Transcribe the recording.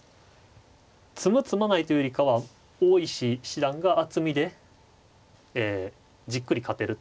詰む詰まないというよりかは大石七段が厚みでじっくり勝てると。